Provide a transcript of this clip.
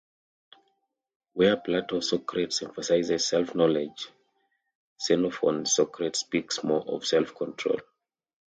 Where Plato's Socrates emphasizes self-knowledge, Xenophon's Socrates speaks more of self-control.